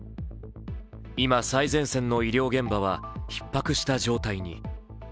今、最前線の医療現場はひっ迫した状態に。